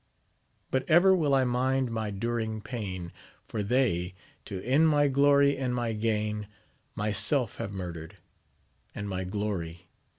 But ever will I mind my during pain, For they, to end my glory and my gain, Myself have murdered, and my glory slain.